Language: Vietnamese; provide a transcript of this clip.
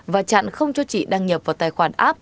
và chặn không cho chị đăng nhập vào tài khoản app